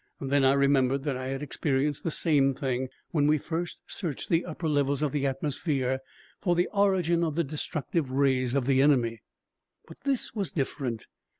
Then I remembered that I had experienced the same thing when we first searched the upper levels of the atmosphere for the origin of the destructive rays of the enemy. But this was different!